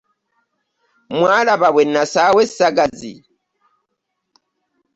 Mwalaba bwe nasaawa e ssagazi .